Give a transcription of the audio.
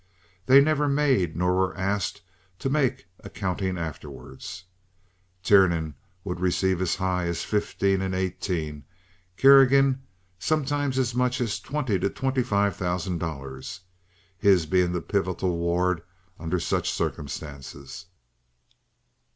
They never made nor were asked to make accounting afterward. Tiernan would receive as high as fifteen and eighteen, Kerrigan sometimes as much as twenty to twenty five thousand dollars, his being the pivotal ward under such circumstances.